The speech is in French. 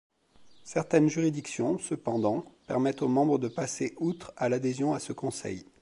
Certaines juridictions, cependant, permettent aux membres de passer outre à l'adhésion à ce conseil.